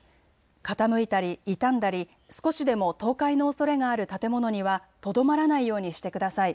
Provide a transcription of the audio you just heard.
傾いたり傷んだり、少しでも倒壊のおそれがある建物にはとどまらないようにしてください。